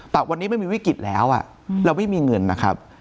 แต่วันนี้ไม่มีวิกฤตแล้วเราไม่มีเงินนะครับ